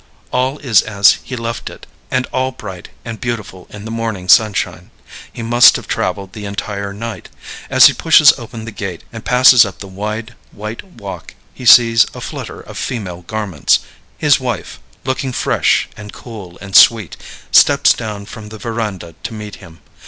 All is as he left it, and all bright and beautiful in the morning sunshine. He must have traveled the entire night. As he pushes open the gate and passes up the wide white walk he sees a flutter of female garments; his wife, looking fresh and cool and sweet, steps down from the veranda to meet him.